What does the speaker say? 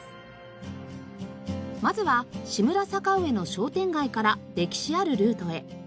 まずは志村坂上の商店街から歴史あるルートへ。